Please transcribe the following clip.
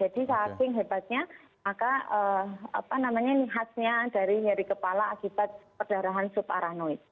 jadi seasing hebatnya maka khasnya dari nyeri kepala akibat perdarahan sub aranoid